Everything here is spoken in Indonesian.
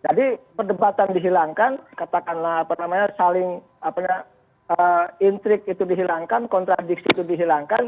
jadi perdebatan dihilangkan katakanlah apa namanya saling intrik itu dihilangkan kontradiktifnya